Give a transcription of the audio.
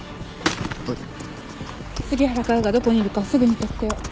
杉原佳代がどこにいるかすぐに特定を。